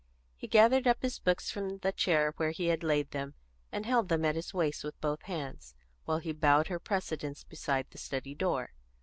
He gathered up his books from the chair where he had laid them, and held them at his waist with both hands, while he bowed her precedence beside the study door.